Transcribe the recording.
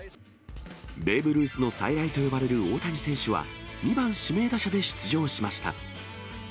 ベーブ・ルースの再来と呼ばれる大谷選手は、２番指名打者で出場しました。